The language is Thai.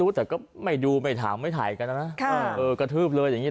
เขาต่อยกันอยู่ไหนข้างหน้าผู้หญิง